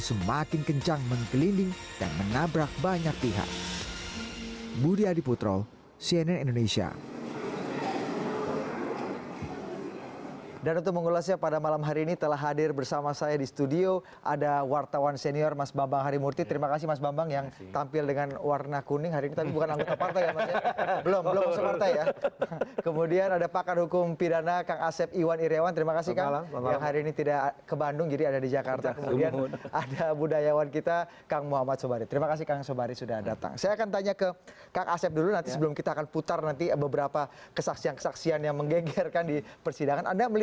supaya mereka tidak susur susur tidak membantu pasti mereka polanya akan menyangkal